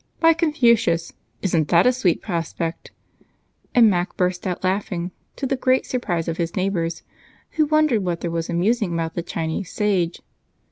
"By Confucius! Isn't that a sweet prospect?" And Mac burst out laughing, to the great surprise of his neighbors, who wondered what there was amusing about the Chinese sage.